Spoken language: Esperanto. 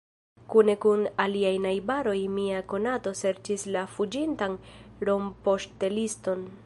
Kune kun aliaj najbaroj mia konato serĉis la fuĝintan rompoŝteliston.